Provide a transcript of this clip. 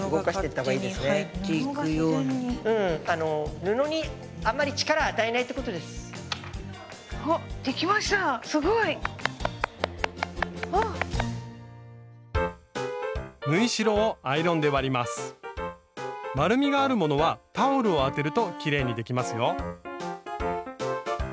丸みがあるものはタオルを当てるときれいにできますよ。